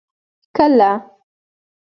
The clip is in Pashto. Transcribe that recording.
کله.